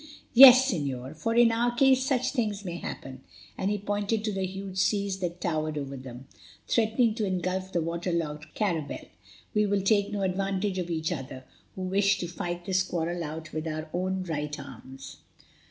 "Yes, Señor, for in our case such things may happen," and he pointed to the huge seas that towered over them, threatening to engulf the water logged caravel. "We will take no advantage of each other, who wish to fight this quarrel out with our own right arms."